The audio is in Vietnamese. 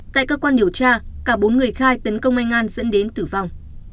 tại cơ quan điều tra cả bốn người khai tấn công anh an dẫn đến tử vong